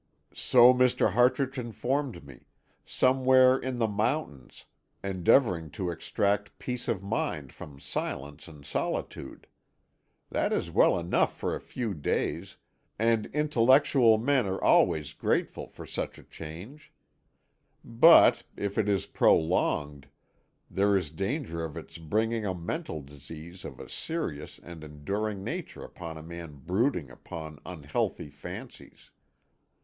"So Mr. Hartrich informed me somewhere in the mountains, endeavouring to extract peace of mind from silence and solitude. That is well enough for a few days, and intellectual men are always grateful for such a change; but, if it is prolonged, there is danger of its bringing a mental disease of a serious and enduring nature upon a man brooding upon unhealthy fancies.